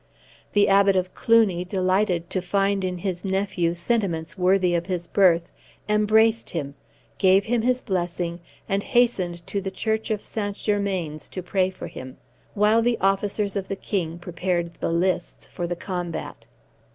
The Abbot of Cluny, delighted to find in his nephew sentiments worthy of his birth, embraced him, gave him his blessing, and hastened to the church of St. Germains to pray for him, while the officers of the king prepared the lists for the combat.